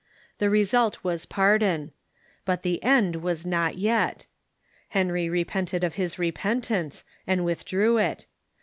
The result Avas pardon. But the end Avas not yet. Henry repented of his repentance, and Avithdrew it.